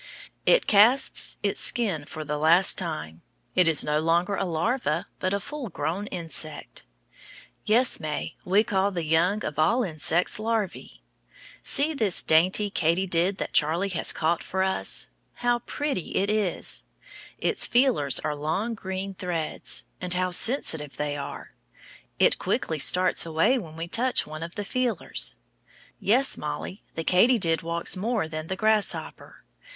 It casts its skin for the last time; it is no longer a larva, but a full grown insect. Yes, May, we call the young of all insects larvæ. See this dainty katydid that Charlie has caught for us. How pretty it is! Its feelers are like long green threads. And how sensitive they are! It quickly starts away when we touch one of the feelers. Yes, Mollie, the katydid walks more than the grasshopper.